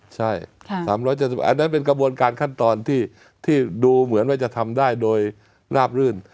ใช่๓๗๐อันนั้นเป็นกระบวนการขั้นตอนที่ดูเหมือนว่าจะทำได้โดยราบรื่น